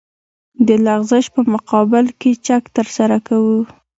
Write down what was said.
د لغزش په مقابل کې چک ترسره کوو